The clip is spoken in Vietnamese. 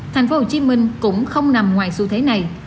tp hcm cũng không nằm ngoài xu thế này